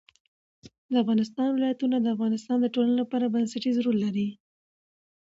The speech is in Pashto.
د افغانستان ولايتونه د افغانستان د ټولنې لپاره بنسټيز رول لري.